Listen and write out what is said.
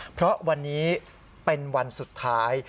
เพราะวันนี้เป็นวันสุดท้าย